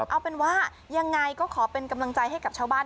เอาเป็นว่ายังไงก็ขอเป็นกำลังใจให้กับชาวบ้าน